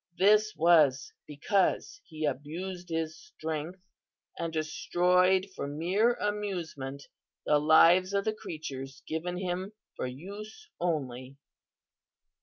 "This was because he abused his strength, and destroyed for mere amusement the lives of the creatures given him for use only."